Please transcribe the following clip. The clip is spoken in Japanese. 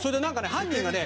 犯人がね